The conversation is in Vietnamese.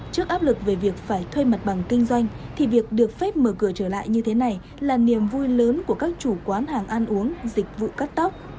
trước áp lực về việc phải thuê mặt bằng kinh doanh thì việc được phép mở cửa trở lại như thế này là niềm vui lớn của các chủ quán hàng ăn uống dịch vụ cắt tóc